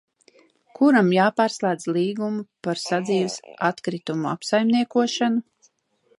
Kuram jāpārslēdz līgumu par sadzīves atkritumu apsaimniekošanu?